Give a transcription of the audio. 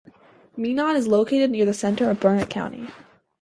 Meenon is located near the center of Burnett County.